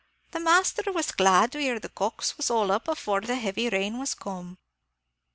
The masther was glad to hear the cocks was all up afore the heavy rain was come.'